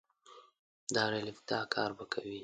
د دارالافتا کار به کوي.